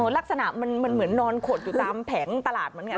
ลักษณะมันเหมือนนอนขดอยู่ตามแผงตลาดเหมือนกัน